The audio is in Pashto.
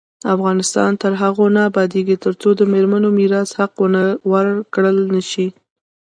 افغانستان تر هغو نه ابادیږي، ترڅو د میرمنو میراث حق ورکړل نشي.